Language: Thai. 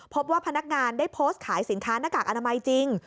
พบว่าพนักงานได้โพสต์ขายสินค้าหน้ากากอนามัยจริง